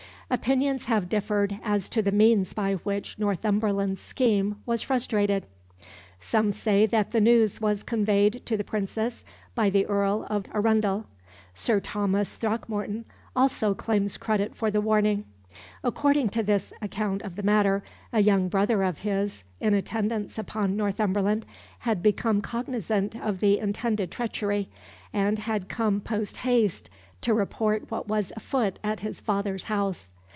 Opinions have differed as to the means by which Northumberland's scheme was frustrated. Some say that the news was conveyed to the Princess by the Earl of Arundel. Sir Nicholas Throckmorton also claims credit for the warning. According to this account of the matter, a young brother of his, in attendance upon Northumberland, had become cognisant of the intended treachery, and had come post haste to report what was a foot at his father's house.